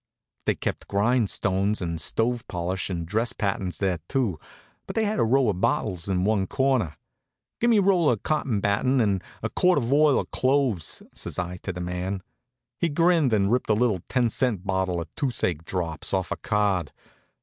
They kept grindstones and stove polish and dress patterns there too, but they had a row of bottles in one corner. "Gimme a roll of cotton battin' an' a quart of oil of cloves," says I to the man. He grinned and ripped a little ten cent bottle of toothache drops off a card.